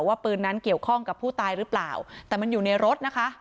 ว่าปืนนั้นเกี่ยวข้องกับผู้ตายหรือเปล่าแต่มันอยู่ในรถนะคะ